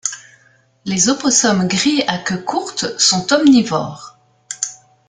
Les opossums gris à queue courte sont omnivores.